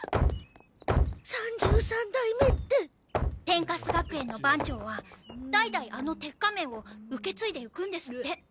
天カス学園の番長は代々あの鉄仮面を受け継いでいくんですって。